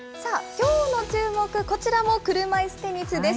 きょうの注目、こちらも車いすテニスです。